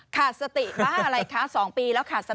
ขาดสติมากอะไรค่ะสองปีแล้วขาดสติละ